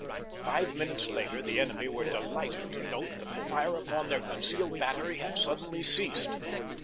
Five minutes later the enemy were delighted to note that the fire upon their concealed battery had suddenly ceased.